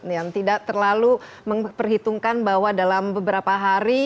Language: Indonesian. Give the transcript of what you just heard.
yang tidak terlalu memperhitungkan bahwa dalam beberapa hari